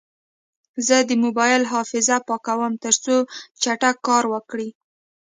زه د موبایل حافظه پاکوم، ترڅو چټک کار وکړي.